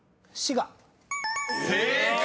［正解！